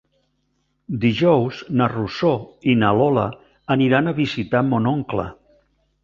Dijous na Rosó i na Lola aniran a visitar mon oncle.